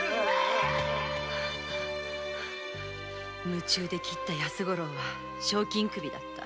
夢中で切った安五郎は賞金首だった。